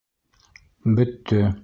— Бөттө.